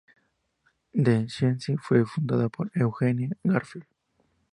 The Scientist fue fundado por Eugene Garfield.